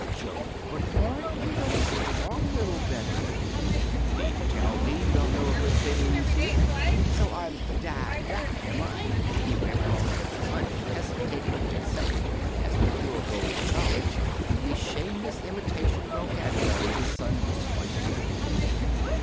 "Jove! but aren't you the strong little beggar, though! Needn't tell me you don't know a good thing when you see it! So I'm 'da da,' am I?" he went on, unhesitatingly accepting as the pure gold of knowledge the shameless imitation vocabulary his son was foisting upon him.